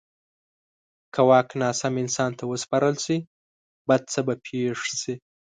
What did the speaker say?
که واک ناسم انسان ته وسپارل شي، بد څه به پېښ شي.